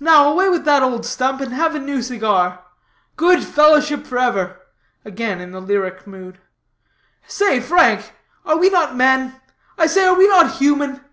Now away with that stump, and have a new cigar. Good fellowship forever!" again in the lyric mood, "Say, Frank, are we not men? I say are we not human?